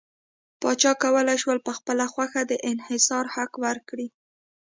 پاچا کولای شول په خپله خوښه د انحصار حق ورکړي.